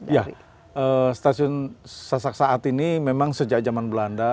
ya stasiun sasak saat ini memang sejak zaman belanda